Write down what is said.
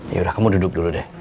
ya udah kamu duduk dulu deh